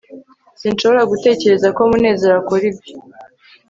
sinshobora gutekereza ko munezero akora ibyo